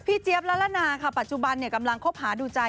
เจี๊ยบละละนาค่ะปัจจุบันกำลังคบหาดูใจ